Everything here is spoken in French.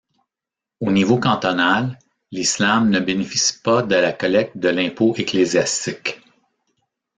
Au niveau cantonal, l'islam ne bénéficie pas de la collecte de l'impôt ecclésiastique.